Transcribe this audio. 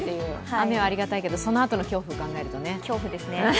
雨はありがたいけど、そのあとの恐怖を考えるとね。